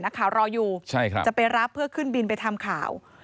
นักข่าวรออยู่จะไปรับเพื่อขึ้นบินไปทำข่าว